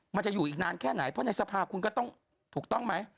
มันจะอยู่อีกนานแค่ไหนเพราะในสภาคุณก็ต้องถูกต้องไหม